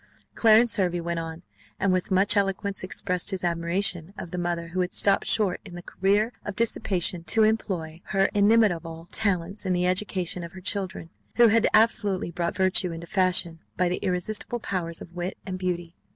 Clarence Hervey went on, and with much eloquence expressed his admiration of the mother who had stopped short in the career of dissipation to employ her inimitable talents in the education of her children; who had absolutely brought Virtue into fashion by the irresistible powers of wit and beauty.